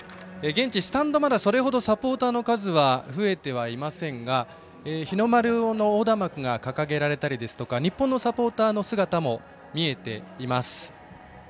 現地スタンドはまだそれほどサポーターの数は増えていませんが日の丸の横断幕が掲げられたり日本のサポーターの姿も見えています。